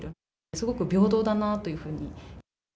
すごく平等だなというふうに。